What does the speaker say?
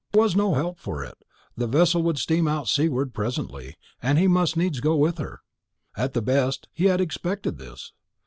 There was no help for it: the vessel would steam out seaward presently, and he must needs go with her. At the best, he had expected this.